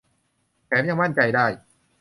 แถมยังมั่นใจได้